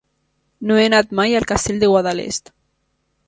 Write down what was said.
No he anat mai al Castell de Guadalest.